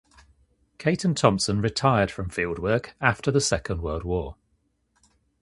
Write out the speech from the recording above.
Caton Thompson retired from fieldwork after the Second World War.